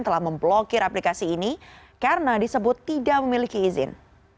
telah memblokir aplikasi ini karena disebut tidak memiliki izin